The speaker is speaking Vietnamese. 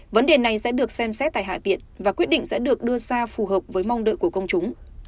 vấn đề này sẽ được xem xét tại hạ viện và quyết định sẽ được đưa ra phù hợp với mong đợi của công chúng